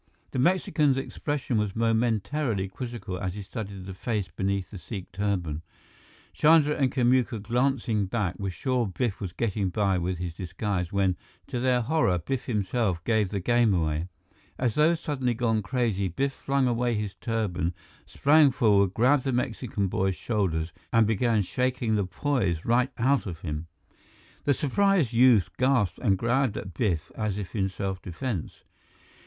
The Mexican's expression was momentarily quizzical as he studied the face beneath the Sikh turban. Chandra and Kamuka, glancing back, were sure Biff was getting by with his disguise when, to their horror, Biff himself gave the game away. As though suddenly gone crazy, Biff flung away his turban, sprang forward, grabbed the Mexican boy's shoulders, and began shaking the poise right out of him. The surprised youth gasped and grabbed at Biff as if in self defense.